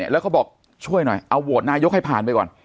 แล้วก็บอกช่วยหน่อยเอาโหวตนายกให้ผ่านไปก่อน